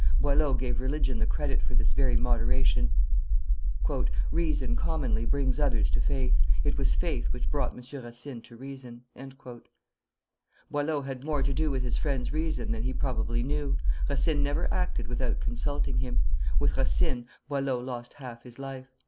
Boileau gave religion the credit for this very moderation. "Reason commonly brings others to faith; it was faith which brought M. Racine to reason." Boileau had more to do with his friend's reason than he probably knew. Racine never acted without consulting him. With Racine, Boileau lost half his life.